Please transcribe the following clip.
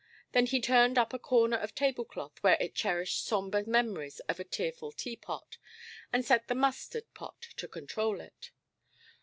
Then he turned up a corner of tablecloth, where it cherished sombre memories of a tearful teapot, and set the mustard–pot to control it.